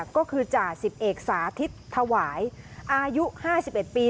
ก็คือจ่าสิบเอกสาธิตถวายอายุห้าสิบเอ็ดปี